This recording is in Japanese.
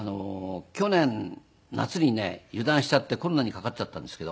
去年夏にね油断しちゃってコロナにかかっちゃったんですけど。